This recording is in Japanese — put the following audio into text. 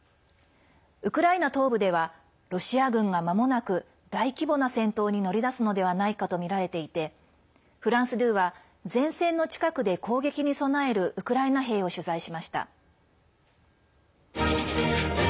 ウクライナ東部ではロシア軍がまもなく大規模な戦闘に乗り出すのではないかとみられていてフランス２は前線の近くで攻撃に備えるウクライナ兵を取材しました。